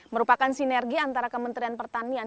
merupakan sinergi antara kementerian pertanian